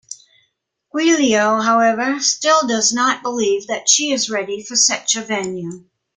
Giulio, however, still does not believe that she is ready for such a venue.